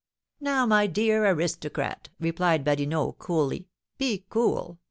"Now, my dear aristocrat," replied Badinot, coolly, "be cool!